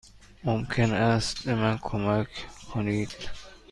ممکن است به من کمک کنید؟